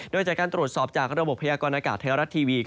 โดยจากการตรวจสอบจากระบบพยากรณากาศไทยรัฐทีวี